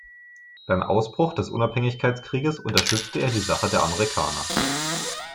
Beim Ausbruch des Unabhängigkeitskrieges unterstützte er die Sache der Amerikaner.